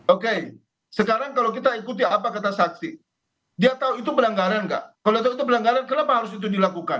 oke sekarang kalau kita ikuti apa kata saksi dia tahu itu pelanggaran enggak kalau tahu itu pelanggaran kenapa harus itu dilakukan